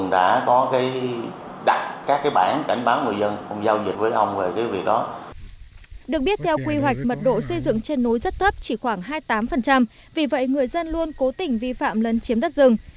được biết theo quy hoạch mật độ xây dựng trên núi rất thấp chỉ khoảng hai mươi tám vì vậy người dân luôn cố tình vi phạm lân chiếm đất rừng